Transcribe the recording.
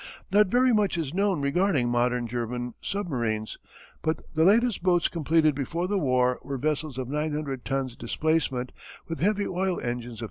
Not very much is known regarding modern German submarines, but the latest boats completed before the war were vessels of 900 tons displacement with heavy oil engines of 2000 H.